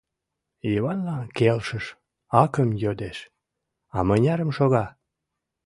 Йыванлан келшыш, акым йодеш: — А мынярым шога?